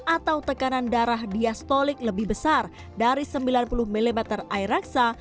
atau tekanan darah diastolik lebih besar dari sembilan puluh mm air aksa